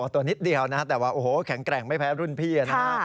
ตัวนิดเดียวนะแต่ว่าโอ้โหแข็งแกร่งไม่แพ้รุ่นพี่นะ